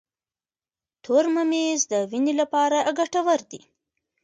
تور ممیز د وینې لپاره ګټور دي.